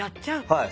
はい。